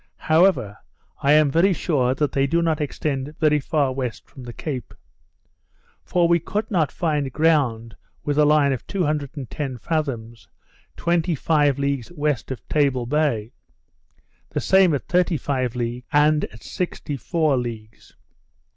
However, I am very sure that they do not extend very far west from the Cape. For we could not find ground with a line of 210 fathoms, twenty five leagues west of Table Bay; the same at thirty five leagues, and at sixty four leagues.